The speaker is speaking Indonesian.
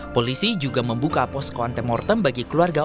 polisi juga membuka pos kontemortem bagi keluarga